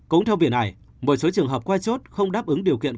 cũng theo viện này một số trường hợp qua chốt không đáp ứng điều kiện